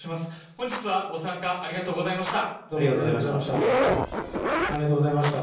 本日はご参加、ありがとうございありがとうございました。